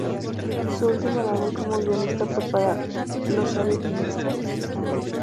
Su última labor como guionista fue para "¿Lo sabe el ministro?